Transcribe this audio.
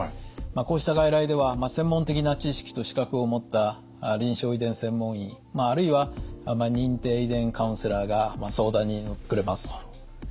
こうした外来では専門的な知識と資格を持った臨床遺伝専門医あるいは認定遺伝カウンセラーが相談に乗ってくれます。